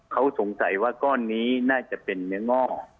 เขาสงสัยว่าก้อนนี้น่าจะเป็นเนื้อง่อ